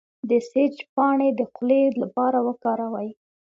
د سیج پاڼې د خولې لپاره وکاروئ